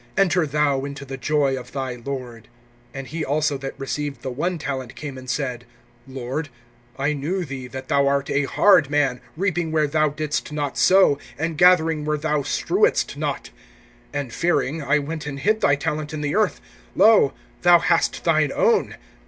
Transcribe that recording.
Enter thou into the joy of thy lord. (24)And he also that received the one talent came and said: Lord, I knew thee that thou art a hard man, reaping where thou didst not sow, and gathering where thou strewedst not. (25)And fearing, I went and hid thy talent in the earth. Lo, thou hast thine own.